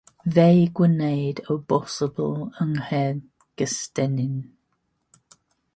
Fe'i gwnaed o bosibl yng Nghaergystennin.